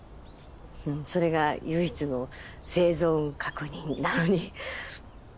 それが唯一の生存確認なのに。